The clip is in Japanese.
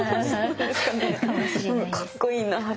かっこいいなあって！